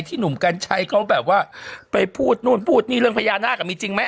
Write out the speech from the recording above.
หนุ่มกัญชัยเขาแบบว่าไปพูดนู่นพูดนี่เรื่องพญานาคมีจริงไหม